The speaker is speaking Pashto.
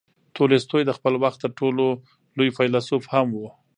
تولستوی د خپل وخت تر ټولو لوی فیلسوف هم و.